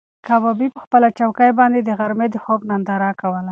کبابي په خپله چوکۍ باندې د غرمې د خوب ننداره کوله.